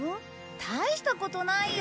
大したことないよ。